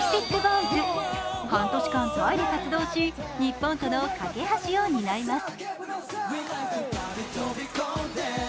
半年間、タイで活動し、日本との懸け橋を担います。